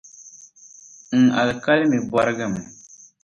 N alkalmi bɔrgimi.